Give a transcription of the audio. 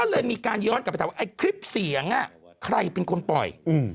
ก็เลยมีการย้อนกลับไปถามว่าไอ้คลิปเสียงใครเป็นคนปล่อย